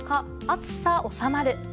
暑さ収まる。